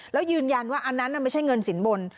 แล้วยืนยันว่าอันนั้นไม่ใช่เงินสินบน